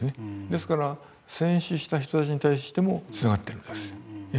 ですから戦死した人たちに対してもつながってるんです。